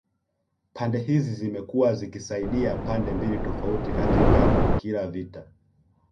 Pande hizi zimekuwa zikisaidia pande mbili tofauti katika kila vita